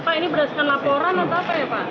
pak ini berdasarkan laporan atau apa ya pak